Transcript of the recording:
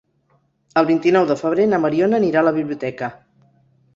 El vint-i-nou de febrer na Mariona anirà a la biblioteca.